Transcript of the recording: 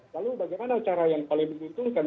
lalu bagaimana cara yang paling dibutuhkan